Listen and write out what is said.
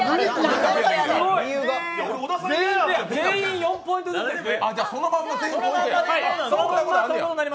全員４ポイントずつですね。